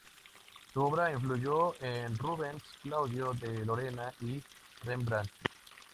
Su obra influyó en Rubens, Claudio de Lorena y Rembrandt.